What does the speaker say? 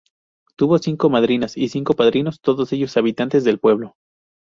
Tuvo cinco madrinas y cinco padrinos, todos ellos habitantes del pueblo.